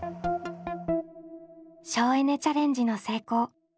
省エネ・チャレンジの成功おめでとう！